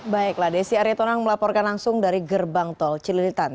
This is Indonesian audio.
baiklah desi aritonang melaporkan langsung dari gerbang tol cililitan